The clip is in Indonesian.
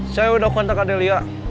saya udah kontak adelia